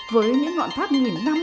với những ngọn tháp nghìn năm